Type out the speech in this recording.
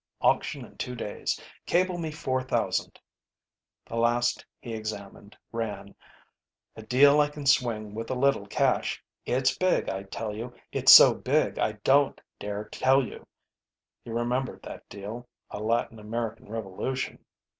Auction in two days. Cable me four thousand_." The last he examined, ran: "A deal I can swing with a little cash. It's big, I tell you. It's so big I don't dare tell you." He remembered that deal a Latin American revolution.